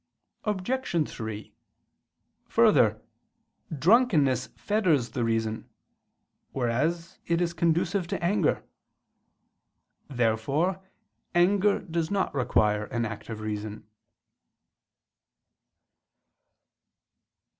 Obj. 3: Further, drunkenness fetters the reason; whereas it is conducive to anger. Therefore anger does not require an act of reason.